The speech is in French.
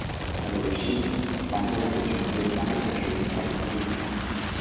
À l'origine, l’endroit était une zone marécageuse parsemée d’étangs.